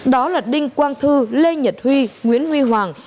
đó là đinh quang thư lê nhật huy nguyễn huy hoàng